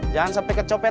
jangan sampai kecopetan